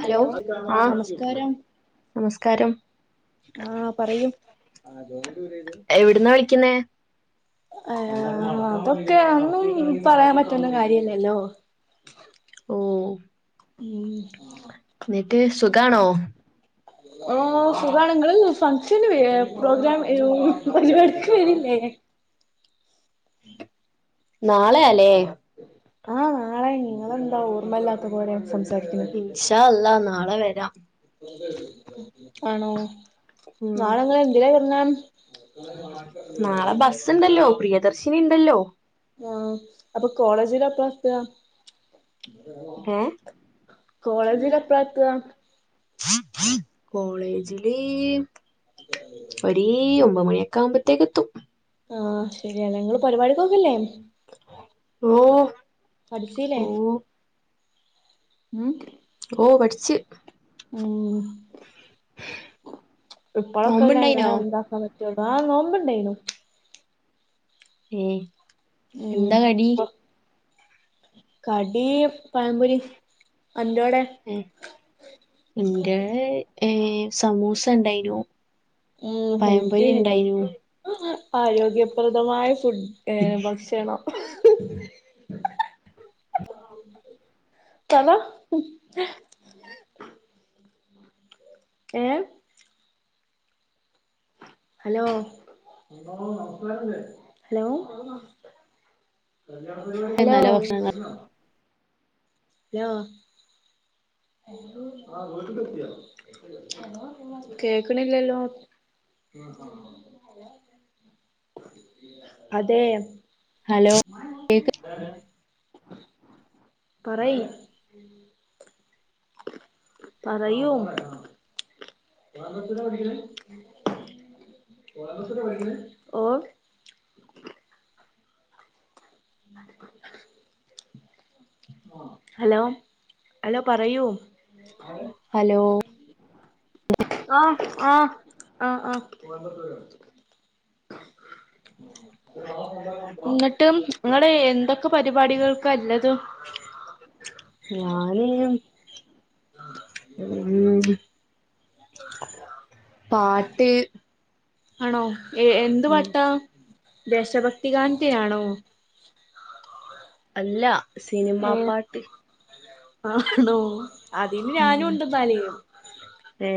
Hello ആഹ് നമസ്കാരം നമസ്കാരം ആഹ് പറയൂ എവിടുന്നാണ് വിളിക്കുന്നേ ആഹ് അതൊക്കെ അന്നും പറയാൻ പറ്റുന്ന കാര്യല്ലല്ലോ ഓഹ് ഉം എന്നിട്ട് സുഖാണോ ഓ സുഖാണങ്ങള ഫംഗ്ഷന് പ്രോഗ്രാം ഏ പരിപാടിക്ക് വരില്ലേ നാളെയല്ലേ ആഹ് നാളെ നിങ്ങളെന്താ ഓർമ്മല്ലാത്ത പോരെ സംസാരിക്കുണ് ഇൻഷാ അല്ല നാളെ വരാം. ആണോ ഉം നാളങ്ങെ എന്തിലാ വരുന്നേ [unintelligible] ഉണ്ടല്ലോ പ്രിയദർശിനി ഉണ്ടല്ലോ ആഹ അപ്പൊ കോളേജിലപ്പയാ യെത്ത ഏ കോളേജി ലാപ്പഴാ യെത്ത കോളേജില് ഒ ഒമ്പ മണിയ ക്കാമ്പത്തേക്കത്തും ആഹ് ശരിയല്ല നിങ്ങള്ൾ പരിപാടക്ക്ക്കല്ലേ ഓ പഠിച്ചില്ലേ ഓ ഉം ഓ പടിച്ച് ഉം [unintelligible] നോമ്പുണ്ടായിനോ ആഹ നോമ്പണ്ടായിനു ഉം. ഉം അ കടി പഴപൊരി അന്ടോടെ എന്റെ ഏ സമൂസ ഉണ്ടായിനരുന്നു ഉം ഹൽദ ആ ആരോഗ്യപ്രദമായ ഫുഡ് ഏ ഭക്ഷണം ആഹ് [unintelligible] ഏ ഹലോ ഹലോ ഹലോ നല്ല ഭക്ഷണം ഹലോ കേക്കണില്ലല്ലോ അതെ ഹലോ പറയ് പറയൂ ഓ ഹലോ ഹലോ പറയൂ ഹലോ ആഹ ആഹ ആഹ ആഹ ന്നിട്ടും നിങ്ങള് എന്തൊക്കെ പരിപാടികൾക്കാള്ളതും ഞാന് ഉം പാട്ട് ആണോ ഏ എന്ത് ഉം പാട്ടാ ദേശഭക്തികാന്തയാണോ അല്ലാ സിനിമാ ഏ പാട്ട് ആണോ അതിന് ഉം ഞാനും ഉണ്ട് ന്നാല് ഏ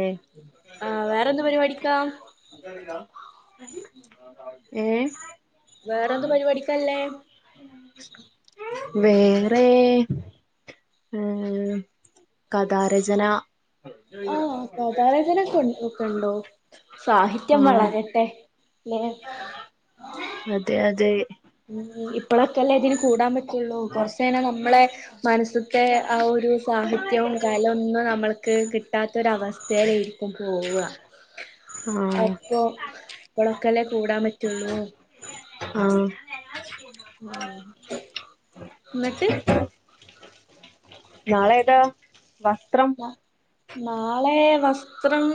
ആഹ് വേറെന്ത് പരിവാടിക്കാ? ഏഹ് വേറെന്ത് പരിപാടിക്കല്ലേ വേറെ ഉം കഥാരചന രചന [unintelligible] കണ്ടോ ആ സാഹിത്യം വളരെട്ടെ ല്ലെ അതെ അതെ ഉം ഇപ്പളെക്കെല്ലേ ഇതിന് കൂടാൻ പറ്റൊള്ളൂ കൊർച്ചയ്ഞാ നമ്മളെ മനസ്സത്തെ ആ ഒരു സാഹിത്യോം കലൊന്നും നമ്മൾക്ക് കി ട്ടാത്തൊരവസ്‌ഥേലേക്കും പോവാ ആ അപ്പൊ ഇപ്പളൊക്കെല്ലെ കൂടാൻ പറ്റൊള്ളൂ. ആഹ് ന്നെട്ട് നാളെതാ വസ്ത്രം? നാളെ വസ്ത്രം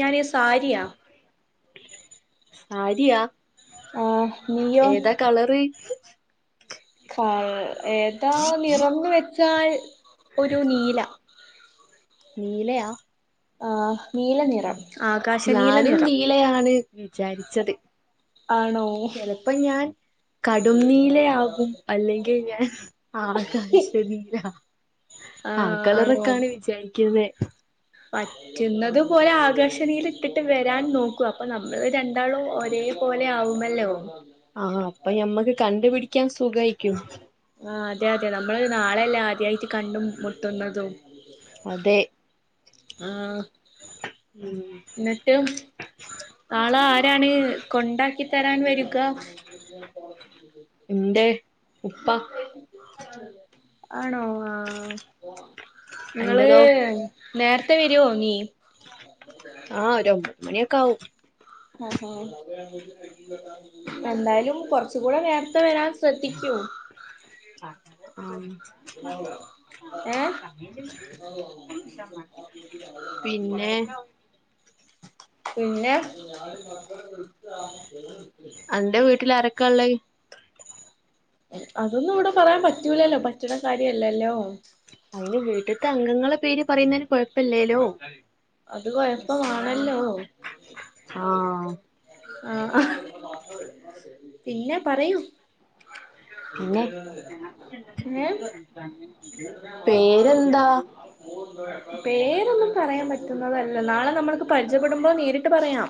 ഞാന് സാരിയാ. സാര്യാ ആഹ് നീയോ ഏതാ കളറ്? ഫാ ഏതാ നിറംന്ന് വെച്ചാൽ ഒരു നീല. നീലെയാ ആഹ് നീല നിറം ആകാശനീല നിറം. ല്ലയാണ് ചാരിച്ചത്. ആണോ ചെലപ്പം ഞാൻ കടും നീലയാകും അല്ലെങ്കിൽ ഞാൻ ആകാശനീല. ആ ആഹ് ആണോ കളറൊക്കാണ് വിചാരിക്കുന്നെ. പറ്റുന്നത് പോലെ ആകാശ നീലട്ടിട്ട് വരാൻ നോക്കും അപ്പൊ നമ്മള് രൺ ണ്ടാളും ഒരേ പോലെ ആവുമല്ലോ. ആഹാ അപ്പൊ ഞമ്മക്ക് കണ്ട്പിടിക്കാൻ സുഖായിക്കും. ആഹ് അതെ യതെ നമ്മള് നാളെല്ലേ ആദ്യായിട്ട് കണ്ടും മുട്ടുന്നതും. അതെ ന്നട്ട് നാളെ ആരാണ് കൊണ്ടാക്കി തരാൻ വരുക്ക? ന്റെ പ്പ. ആണോ ആഹ് ഇങ്ങള് എന്റതോ നേര്ത്തെ വെരോ നീ? ആഹ് ഒരൊമ്പമണ്യൊക്കാവും. ഉം ഉം എന്തായാലും കൊർച്ച്കൂടെ നേര്ത്തെ വെരാൻ ശ്രദ്ധിക്കൂ. ആം ഏഹ്? പിന്നെ [unintelligible] പിന്നെ അന്റെ വീട്ടിലാരൊക്കെള്ളെ? അതൊന്നുവടെ പറയാൻ പറ്റൂലല്ലോ പറ്റ്ണ കാര്യല്ലല്ലോ. അയ്ന് വീട്ട്ത്തെ അംഗങ്ങളെ പേര് പറയുന്നയ്ന് കൊഴപ്പല്ലേല്ലോ. അത് കൊഴപ്പമാണല്ലോ. ആഹ് ആഹ് പിന്നെ പറയൂ. പിന്നെ ഏ പേരെന്താ? പേരൊന്നും പറയാൻ പറ്റുന്നതല്ല നാളെ നമ്മൾക്ക് പരിചയപ്പെടുമ്പോ നേരിട്ട് പറയാം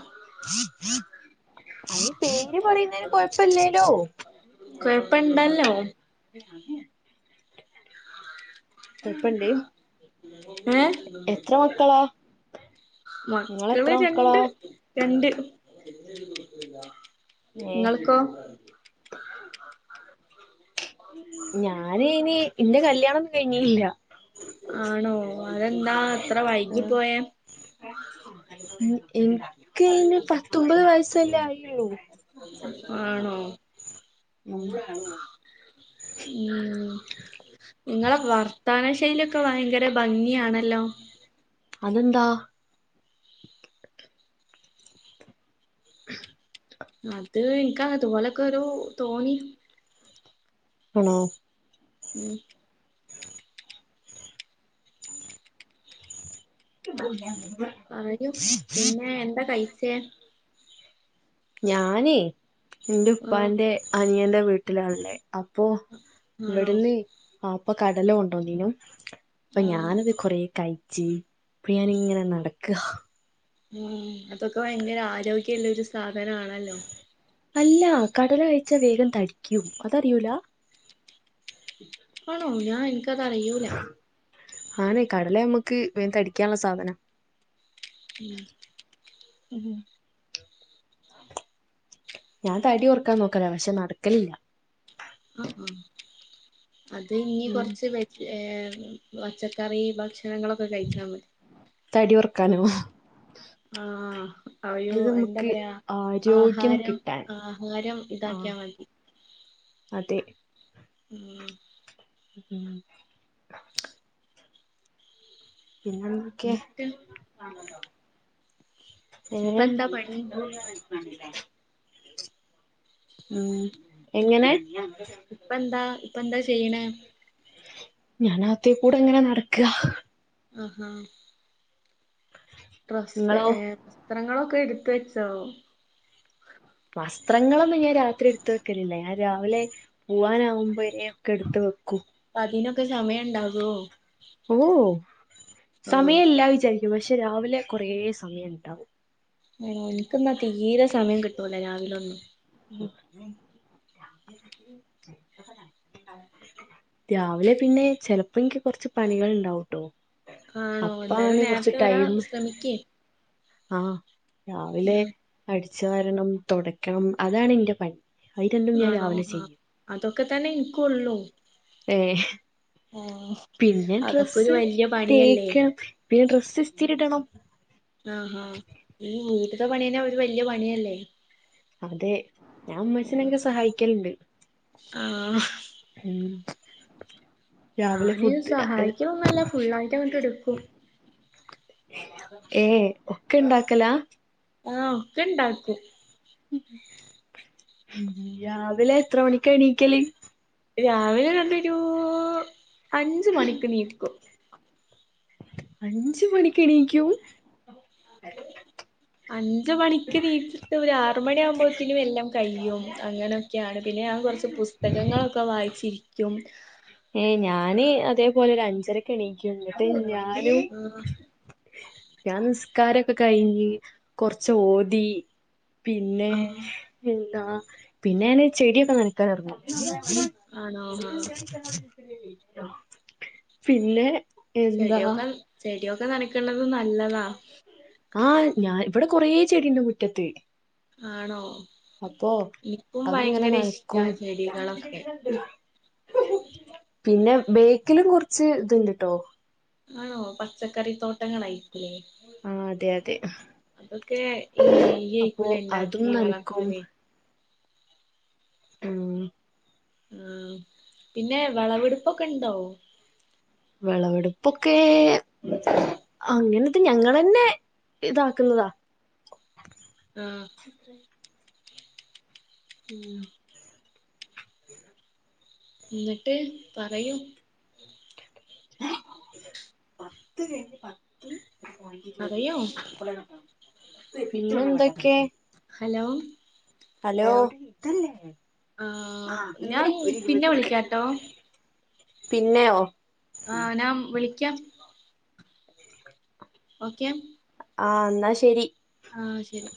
ആയ് പേര് പറയ്ന്നേന് കൊയപ്പല്ലേലോ കൊഴപ്പണ്ടല്ലോ കൊയപ്പണ്ട് ഏ മക്കളാ മക്കള് നിങ്ങളെത്ര മക്കളാ രണ്ട് ണ്ട് ഏഹ് ഇങ്ങൾക്കോ? ഞാനയ്‌ന് ഇന്റെ കല്ല്യാണൊന്നും കഴിഞ്ഞീല്ല ആണോ അതെന്താ ഇത്ര വൈകി പോയേ? മു ഇൻക്കയ്ന് പത്തൊമ്പത് വയസ്സല്ലേ ആയിള്ളൂ ആണോ [unintelligible] ഉം ഇങ്ങളെ വർത്താന ശൈലിയൊക്കെ ഭയങ്കര ഭംഗിയാണല്ലോ അതെന്താ? അത് ഇൻക്കാതുപോലെക്കൊരു തോന്നി ഓ ഉം പറയൂ പിന്നെ എന്താ കയിച്ചേ? ഞാനേ ഇന്റെ ആഹ് ഉപ്പാന്റെ അനിയന്റെ വീട്ടിലാള്ളേ പ്പൊ ആണോ ഇവ്ട്ന്ന് വിപ്പ കടല കൊണ്ടോന്നീനു പ്പ ആഹ് ഞാനത് കൊറേ കയിച്ച് ഇപ്പ ഞാനിങ്ങനെ നടക്കാ. ഉം അതൊക്കെ വയങ്കര ആരോഗ്യള്ളൊരു സാധനാണല്ലോ അല്ലാ കടല കഴിച്ചാ വേഗം തടിക്കും അതറിയൂലാ ആണോ ഞാൻ ഇന്ക്കത് അറിയൂല ആണേ കടല ഞമ്മക്ക് വേം തടിക്കാള്ള സാധനാ [unintelligible] ഉഹും ഞാൻ തടി കൊറക്കാൻ നോക്കലാ പക്ഷേ നടക്കലില്ല ആഹ് ആഹ് അത് ഇഞ്ഞ് ഉം കൊറച്ച് വെ ഏഹ് പച്ചക്കറി ഭക്ഷണങ്ങളൊക്കെ കയിച്ചാ മതി തടി കൊറക്കാനോ? ആഹ് അയോ എന്താ നമുക്ക് പറയാ ആരോഗ്യം ആഹാരം കിട്ടാൻ ആഹാരം ഇതാക്കിയാ ആഹ് മതി അതെ ഉം ഉം ന്നെന്തൊക്കേ ഇപ്പ ഇപ്പ എങ്ങനേ എന്താ പണി ഉം എങ്ങനെ പ്പന്താ ഇപ്പന്താ ചെയ്യ്ണേ ഞാനകത്തേക്കൂടെങ്ങനെ നടക്ക [unintelligible] ഡ്രസ്സ്‌ നിങ്ങളോ ഏ സ്ത്രങ്ങളൊക്കെ എടുത്ത് വെച്ചോ വസ്ത്രങ്ങളൊന്നും ഞാൻ രാത്രി എടുത്ത് വെക്കലില്ല ഞാൻ രാവിലേ പൂവാനാവുമ്പയേ ഒക്കെ എട്ത്ത് വെക്കു പ്പതിനൊക്കെ സമയണ്ടാകോ ഓ സമയല്ലാ വിചാരിക്കും പക്ഷെ രാവിലെ കൊറേ സമയണ്ടാവും ആഹ് എനിക്കന്നാ തീരെ സമയം കിട്ടൂല രാവിലെ ഒന്നിനും ഉം [inaudible] രാവിലെ പിന്നെ ചെലപ്പോ എന്ക്ക് കൊറച്ച് പണികൾ ഉണ്ടാവൂട്ടോ ആണോ അപ്പ എന്തായാലും ആണ് കുറച്ച് നേരത്തെ വരാൻ ടൈമ് ശ്രമിക്കേ ആഹ് രാവിലെ അടിച്ചു വാരണം തൊടക്കണം അതാണ് എന്റെ പണി അത് രണ്ടും ഞാൻ ആണോ രാവിലെ ആഹ് ചെയ്യും അതൊക്കെ തന്നെ എനിക്കുവൊള്ളൂ ഏഹ് പിന്നെ അതൊക്കെ ഒരു ഡ്രസ്സ് വല്യ പണിയല്ലേ തേക്ക പിന്നെ ഡ്രസ്സ് ഇസ്തിരി ഇടണം ആഹാ ഈ വീട്ടത്തെ പണീനെ ഒരു വല്യ പണിയല്ലേ അതെ ഞാൻ ഉമ്മച്ചിനെക്കെ സഹായിക്കലുണ്ട് ആഹ് ഉം രാവിലെ ഞാന് ഫുഡ് സഹായിക്കലൊന്നല്ല ഫുള്ളായിട്ട് അങ്ങട്ട് എടുക്കും [unintelligible] ഏഹ് ഒക്കെ ഉണ്ടാക്കല ആഹ് ഒക്കെ ഇണ്ടാക്കും രാവിലെ എത്ര മണിക്ക് എണീക്കല് രാവിലെ ഏതാണ്ടൊരു അഞ്ചുമണിക്ക് എണീക്കും അഞ്ചു മണിക്ക് എണീക്കും അഞ്ചു മണിക്ക് എണീച്ചിട്ട് ഒരു ആറ് മണിയാകുമ്പോഴത്തേനും എല്ലാം കഴിയും അങ്ങനെയൊക്കെയാണ് പിന്നെ ഞാൻ കുറച്ച് പുസ്തകങ്ങളൊക്കെ വായിച്ചിരിക് ക്കും ഏ ഞാന് അതേപോലെ ഒരു അഞ്ചരക്ക് എണീക്കും ന്നട്ട് ഞാനും ആഹ് ഞാൻ നിസ്കാരൊക്കെ കഴിഞ്ഞ് കൊറച്ച് ഓതി പിന്നെ ആഹ് എന്താ പിന്നെ ഞാന് ചെടിയൊക്കെ നനക്കാനിറങ്ങും ആണോ ആഹ് പിന്നെ എന്താ ചെടിയൊക്കെ ചെടിയൊക്കെ നനക്കണത് നല്ലതാ ആഹ് ഞാൻ ഇവിടെ കൊറേ ചെടിഇണ്ട് മുറ്റത്ത് ആണോ അപ്പൊ എനിക്കും അത്ങ്ങനെ ഭയങ്കര ഇഷ്ടാ നനക്കും ചെടികളൊക്കെ പിന്നെ ബേക്കിലും കുറച്ച് ഇതുണ്ട്ട്ടോ ആണോ പച്ചക്കറി തോട്ടങ്ങളായിട്ടുള്ളേ ആഹ് അതെ അതെ അതൊക്കെ ഇയ്യ് അപ്പൊ അയ്ക്കുലെ അതും ഇണ്ടാക്കി നനക്കും വളർത്തല് ഉം ഉം പിന്നെ വിളവെടുപ്പൊക്കെ ഉണ്ടോ വിളവെടുപ്പൊക്കെ അങ്ങനത് ഞങ്ങളന്നെ ഇതാക്കുന്നതാ ഉം ഉം ഇന്നിട്ട് പറയൂ പത്ത് കഴിഞ്ഞ് പറയൂ [unintelligible] പിന്നെന്തൊക്കെ? ഹലോ? ഹലോ ഇതല്ലേ ആഹ് ഞാൻ പിന്നെ വിളിക്കാട്ടോ [unintelligible] പിന്നെയോ ആഹ് നാം വിളിക്കാം ഓക്കേം ആഹ് ന്നാ ശരി ആഹ് ശരി